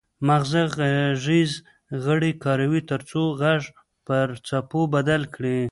مغزه غږیز غړي کاروي ترڅو غږ پر څپو بدل کړي